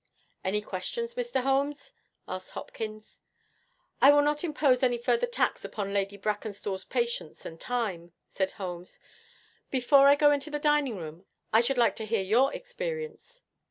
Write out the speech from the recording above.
'Any questions, Mr. Holmes?' asked Hopkins. 'I will not impose any further tax upon Lady Brackenstall's patience and time,' said Holmes. 'Before I go into the dining room, I should like to hear your experience.'